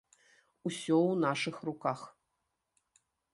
Усё ў нашых руках!